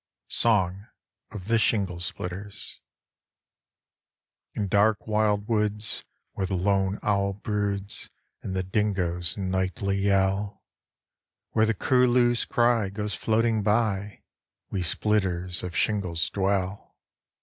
Song of the Shingle Splitters In dark wild woods, where the lone owl broods And the dingoes nightly yell Where the curlew's cry goes floating by, We splitters of shingles dwell.